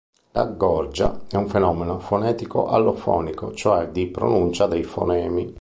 La gorgia è un fenomeno fonetico-allofonico, cioè di pronuncia dei fonemi.